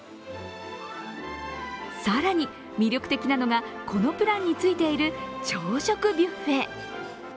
更に、魅力的なのがこのプランについている朝食ビュッフェ。